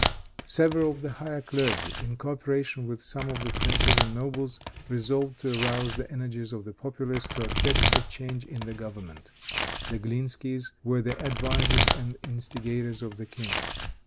Several of the higher clergy, in coöperation with some of the princes and nobles, resolved to arouse the energies of the populace to effect a change in the government. The Glinskys were the advisers and instigators of the king.